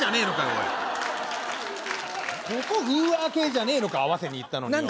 おいここウーアー系じゃねえのか合わせにいったのによ